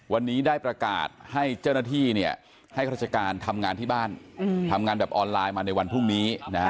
วันนี้ได้ประกาศให้เจ้าหน้าที่ให้ราชการทำงานที่บ้านทำงานแบบออนไลน์มาในวันพรุ่งนี้นะฮะ